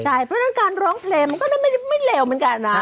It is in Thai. เพราะฉะนั้นการร้องเพลงมันก็ไม่เลวเหมือนกันนะ